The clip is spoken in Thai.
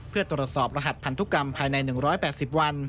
เพื่อตรวจสอบรหัสพันธุกรรมภายใน๑๘๐วัน